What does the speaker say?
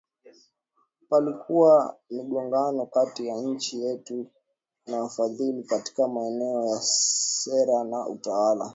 Palikuwa migongano kati ya nchi yetu na wafadhili katika maeneo ya sera na utawala